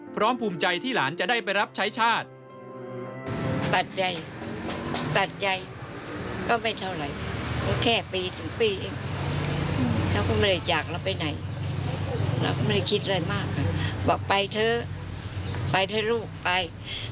ภูมิใจที่หลานจะได้ไปรับใช้ชาติ